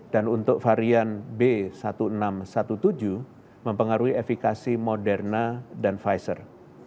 dan untuk varian b satu enam satu tujuh mempengaruhi efikasi moderna dan pfizer